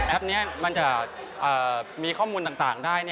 นี้มันจะมีข้อมูลต่างได้